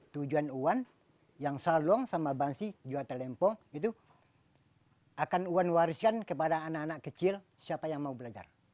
tujuan wan yang saluang sama bansi juga talempong itu akan wan wariskan kepada anak anak kecil siapa yang mau belajar